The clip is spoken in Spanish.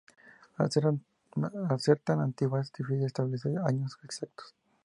Al ser tan antigua es difícil establecer años exactos.